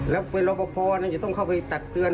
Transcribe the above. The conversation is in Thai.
แล้วพ่อบอกพ่ออย่าต้องเข้าไปตัดเตือน